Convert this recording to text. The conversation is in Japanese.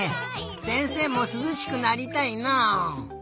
せんせいもすずしくなりたいな。